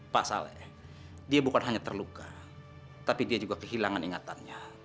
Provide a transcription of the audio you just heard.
pasalnya dia bukan hanya terluka tapi dia juga kehilangan ingatannya